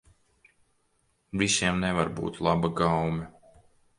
Visiem nevar būt laba gaume.